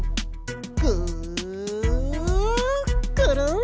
ぐくるん！